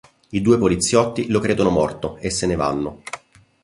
I due poliziotti lo credono morto e se ne vanno.